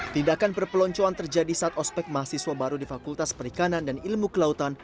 tindakan perpeloncoan terjadi saat ospek mahasiswa baru di fakultas perikanan dan ilmu kelautan